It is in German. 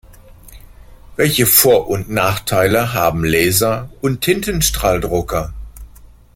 Welche Vor- und Nachteile haben Laser- und Tintenstrahldrucker?